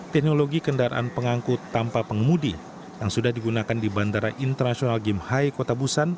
teknologi kendaraan pengangkut tanpa pengemudi yang sudah digunakan di bandara internasional gimhai kota busan